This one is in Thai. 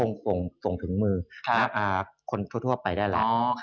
เงินก็ทงส่งถึงมือคนทั่วไปได้แหละ